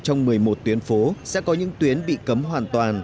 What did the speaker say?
trong một mươi một tuyến phố sẽ có những tuyến bị cấm hoàn toàn